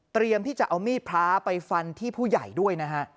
ที่จะเอามีดพระไปฟันที่ผู้ใหญ่ด้วยนะฮะ